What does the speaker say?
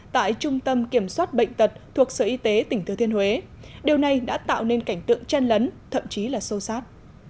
tại trung tâm kiểm soát bệnh tật thuộc sở y tế tỉnh thừa thiên huế điều này đã tạo nên cảnh tượng chen lấn thậm chí là sâu sát